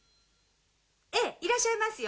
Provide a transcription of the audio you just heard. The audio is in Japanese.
えぇいらっしゃいますよ。